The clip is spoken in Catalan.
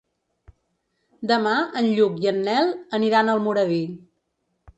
Demà en Lluc i en Nel aniran a Almoradí.